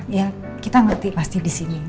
iya kita ngerti pasti disini